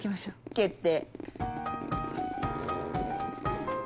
決定。